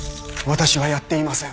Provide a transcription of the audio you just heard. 私はやっていません。